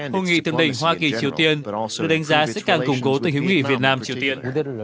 hữu nghị tượng đỉnh hoa kỳ triều tiên được đánh giá sẽ càng củng cố từ hữu nghị việt nam triều tiên